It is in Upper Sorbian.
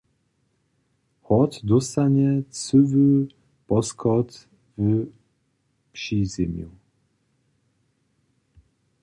Hort dóstanje cyły poschod w přizemju.